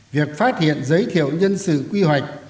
việc phát hiện giới thiệu nhân sự quy hoạch